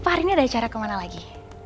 pak hari ini ada acara kemana lagi